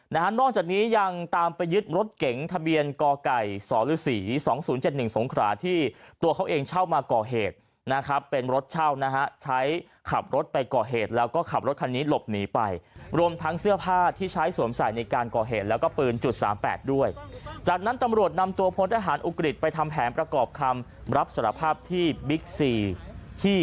นอกจากนี้ยังตามไปยึดรถเก๋งทะเบียนกไก่สรศรี๒๐๗๑สงขราที่ตัวเขาเองเช่ามาก่อเหตุนะครับเป็นรถเช่านะฮะใช้ขับรถไปก่อเหตุแล้วก็ขับรถคันนี้หลบหนีไปรวมทั้งเสื้อผ้าที่ใช้สวมใส่ในการก่อเหตุแล้วก็ปืนจุดสามแปดด้วยจากนั้นตำรวจนำตัวพลทหารอุกฤษไปทำแผนประกอบคำรับสารภาพที่บิ๊กซีที่